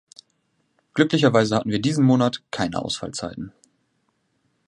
Glücklicherweise hatten wir diesen Monat keine Ausfallzeiten.